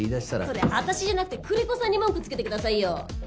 それ私じゃなくて久連木さんに文句つけてくださいよ！